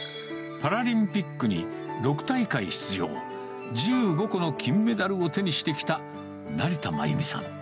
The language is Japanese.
パラリンピックに６大会出場、１５個の金メダルを手にしてきた成田真由美さん。